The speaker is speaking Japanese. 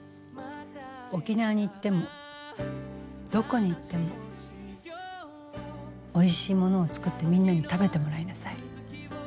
沖縄に行ってもどこに行ってもおいしいものを作ってみんなに食べてもらいなさい。